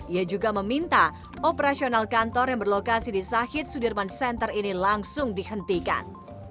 ia juga meminta operasional kantor yang berlokasi di sahit sudirman center ini langsung dihentikan